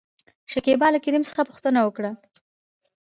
شکيبا له کريم څخه پوښتنه وکړه ؟